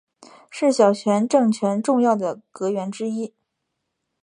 是小泉政权重要的阁员之一。